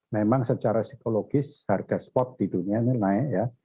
memang secara psikologis harga spot di dunia ini naik ya